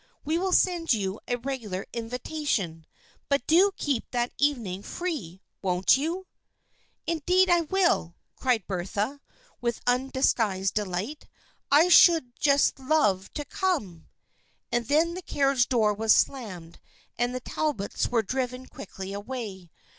We will send you a regular invita tion, but do keep that evening free, won't you? "" Indeed I will !" cried Bertha, with undis guised delight. " I should just love to come !" And then the carriage door was slammed and the Talbots were driven quickly away.